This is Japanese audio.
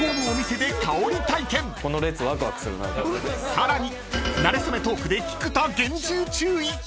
［さらに］